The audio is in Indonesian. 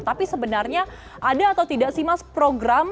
tapi sebenarnya ada atau tidak sih mas program